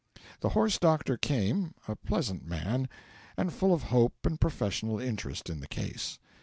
The horse doctor came, a pleasant man and full of hope and professional interest in the case.